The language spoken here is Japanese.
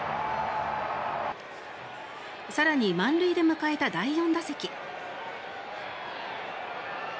更に、満塁で迎えた第４打席。